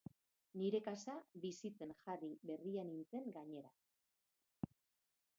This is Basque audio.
Nire kasa bizitzen jarri berria nintzen gainera.